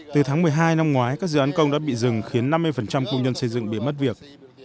từ tháng một mươi hai năm ngoái các dự án công đã bị dừng khiến năm mươi công nhân xây dựng bị mất việc